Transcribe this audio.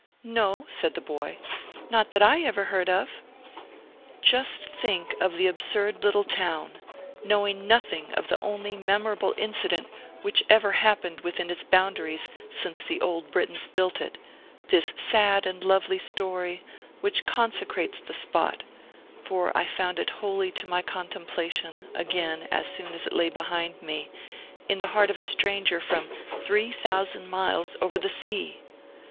"No," said the boy; "not that I ever heard of." Just think of the absurd little town, knowing nothing of the only memorable incident which ever happened within its boundaries since the old Britons built it, this sad and lovely story, which consecrates the spot (for I found it holy to my contemplation, again, as soon as it lay behind me) in the heart of a stranger from three thousand miles over the sea!